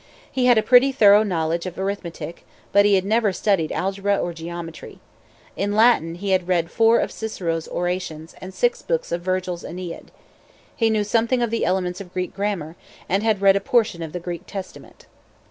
He had a pretty thorough knowledge of arithmetic; but he had never studied algebra or geometry. In Latin he had read four of Cicero's orations, and six books of Virgil's Aeneid. He knew something of the elements of Greek grammar, and had read a portion of the Greek Testament.